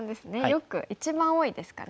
よく一番多いですかね。